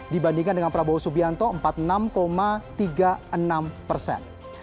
dibandingkan dengan prabowo subianto empat puluh enam tiga puluh enam persen